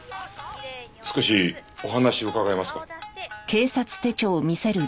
少しお話伺えますか？